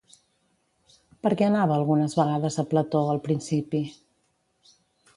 Per què anava algunes vegades a plató, al principi?